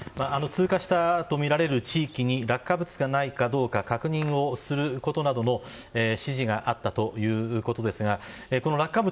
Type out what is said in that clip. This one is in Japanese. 通過したとみられる地域に落下物がないかどうか確認をすることなどの指示があったということですがこの落下物